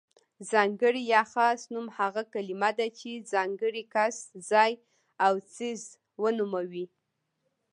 ځانګړی يا خاص نوم هغه کلمه ده چې ځانګړی کس، ځای او څیز ونوموي.